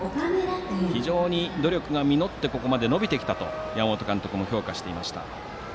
非常に努力が実ってここまで伸びてきたと山本監督も評価していました。